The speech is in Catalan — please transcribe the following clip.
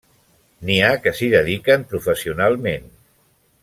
N'hi ha que s'hi dediquen professionalment.